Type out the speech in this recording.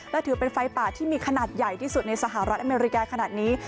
และถือเป็นไฟป่าที่มีขนาดใหญ่ที่สุดในสหรัฐอเมริกาขนาดนี้